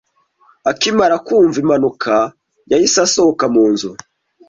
Akimara kumva impanuka, yahise asohoka mu nzu.